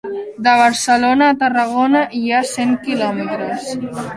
De Barcelona a Tarragona hi ha cent quilòmetres.